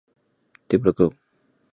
不会透漏他们的位置